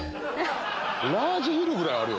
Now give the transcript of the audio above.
ラージヒルぐらいあるよ。